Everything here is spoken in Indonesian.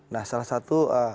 nah salah satu